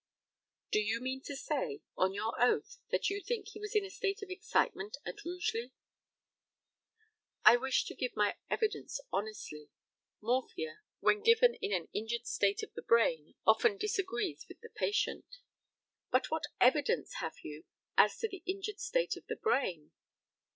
Do you mean to say, on your oath, that you think he was in a state of excitement at Rugeley? I wish to give my evidence honestly. Morphia, when given in an injured state of the brain, often disagrees with the patient. But what evidence have you as to the injured state of the brain?